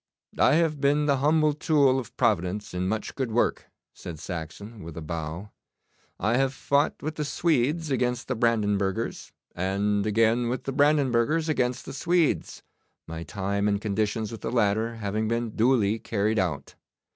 'I have been the humble tool of Providence in much good work,' said Saxon, with a bow. 'I have fought with the Swedes against the Brandenburgers, and again with the Brandenburgers against the Swedes, my time and conditions with the latter having been duly carried out.